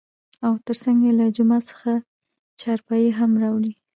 او تر څنګ يې له جومات څخه چارپايي هم راوړى .